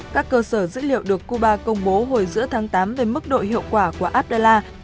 các cơ sở dữ liệu được cuba công bố hồi giữa tháng tám về mức độ hiệu quả của abdella